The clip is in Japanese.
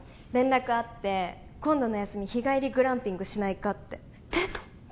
連絡あって今度の休み日帰りグランピングしないかってデート？